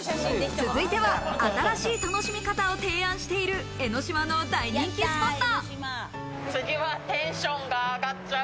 続いては新しい楽しみ方を提案している江の島の大人気スポット。